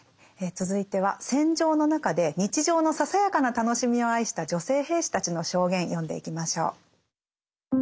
続いては戦場の中で日常のささやかな楽しみを愛した女性兵士たちの証言読んでいきましょう。